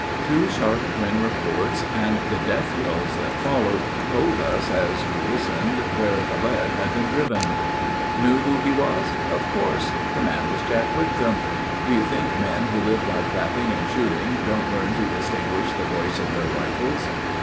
Two sharp, twin reports and the death yells that followed Told us as we listened where the lead had been driven. Knew who he was? Of course. The man was Jack Whitcomb. Do you think men who live by trapping and shooting Don't learn to distinguish the voice of their rifles?